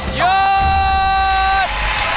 หยุด